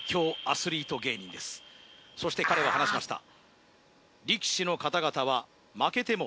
そして彼は話しました